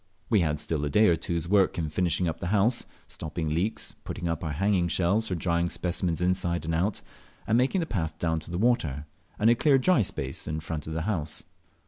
We had still a day or two's work in finishing up the house, stopping leaks, putting up our hanging shelves for drying specimens inside and out, and making the path down to the water, and a clear dry space in front of the horse.